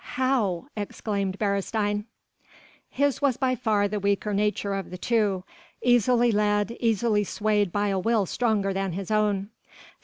how?" exclaimed Beresteyn. His was by far the weaker nature of the two: easily led, easily swayed by a will stronger than his own.